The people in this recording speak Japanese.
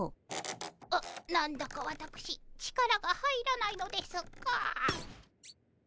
な何だかわたくし力が入らないのですが。